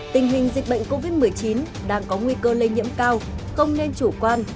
tình hình dịch bệnh covid một mươi chín đang có nguy cơ lây nhiễm cao không nên chủ quan